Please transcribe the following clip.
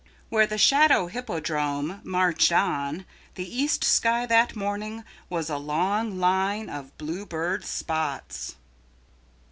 Where the shadow hippodrome marched on the east sky that morning was a long line of blue bird spots.